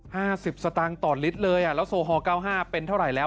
ห้าสิบสตางค์ต่อลิตรเลยอ่ะแล้วเป็นเท่าไหร่แล้ว